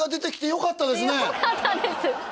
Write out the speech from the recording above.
よかったです